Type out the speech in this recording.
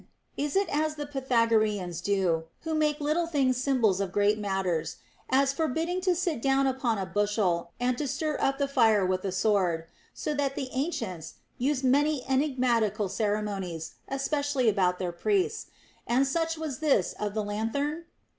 Is it as the Pythagoreans do, who make little things symbols of great matters, — as forbidding to sit down upon a bushel and to stir up the fire with a sword, — so that the ancients used many enigmatical ceremonies, espec ially about their priests, and such was this of the lanthorn?